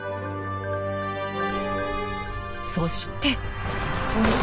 そして。